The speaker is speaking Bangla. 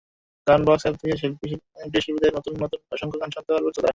গানবক্স অ্যাপ থেকে প্রিয় শিল্পীদের নতুন নতুন অসংখ্য গান শুনতে পারবেন শ্রোতারা।